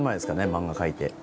漫画描いて。